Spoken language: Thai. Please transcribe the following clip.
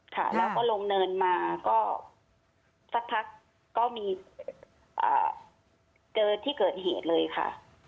ค่ะแล้วก็ลงเนินมาก็สักพักก็มีเจอที่เกิดเหตุเลยค่ะ